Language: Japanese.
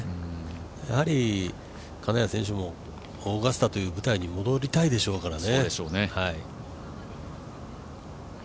やはり金谷選手もオーガスタという舞台に戻りたいでしょうからね。